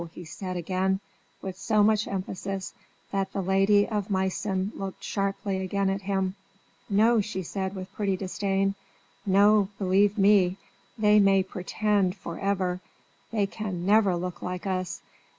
he said, again, with so much emphasis that the Lady of Meissen looked sharply again at him. "No," she said, with pretty disdain; "no, believe me, they may 'pretend' forever. They can never look like us!